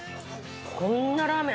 こんなラーメン